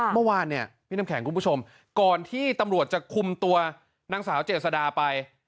เมื่อวานเนี่ยพี่น้ำแข็งคุณผู้ชมก่อนที่ตำรวจจะคุมตัวนางสาวเจษดาไป